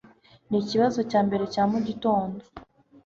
Ni ikibazo cya mbere cya mugitondo .